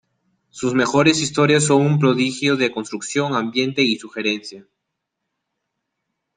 Sus mejores historias son un prodigio de construcción, ambiente y sugerencia.